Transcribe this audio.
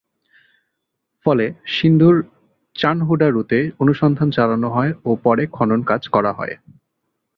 ফলে সিন্ধুর চানহুডারোতে অনুসন্ধান চালানো হয় ও পরে খনন কাজ করা হয়।